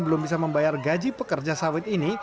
belum bisa membayar gaji pekerja sawit ini